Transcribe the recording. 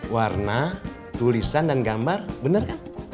warna tulisan dan gambar benar kan